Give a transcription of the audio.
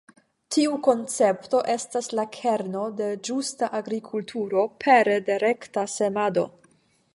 Tiu koncepto estas la kerno de ĝusta agrikulturo pere de rekta semado.